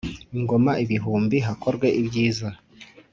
Ingoma ibihumbi hakorwe byiza.